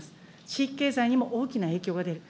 地域経済にも大きな影響が出る。